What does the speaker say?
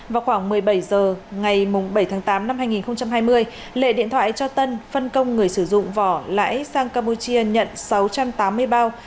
vào khoảng một mươi bảy h ngày bảy tháng tám năm hai nghìn hai mươi lệ điện thoại cho tân phân công người sử dụng vỏ lãi sang campuchia nhận sáu trăm tám mươi bao